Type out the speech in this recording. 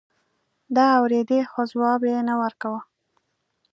ده اورېدې خو ځواب يې نه ورکاوه.